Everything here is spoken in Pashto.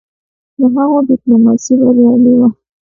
د هغه ډيپلوماسي بریالی وه.